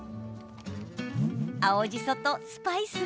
青じそとスパイス？